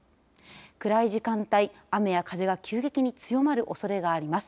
暗い時間帯、雨や風が急激に強まるおそれがあります。